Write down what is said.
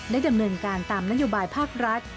ดำเนินการตามนโยบายภาครัฐ